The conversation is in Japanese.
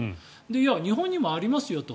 いや、日本にもありますよと。